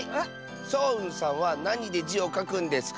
そううんさんはなにで「じ」をかくんですか？